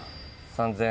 ３０００